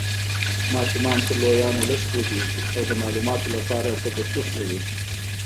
ماشومان تر لویانو لږ پوهیږي او د مالوماتو لپاره تجسس لري.